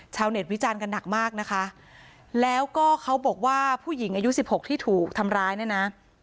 ชาวเน็ตวิจารณ์กันหนักมากนะคะแล้วก็เขาบอกว่าผู้หญิงอายุสิบหกที่ถูกทำร้ายเนี่ยนะ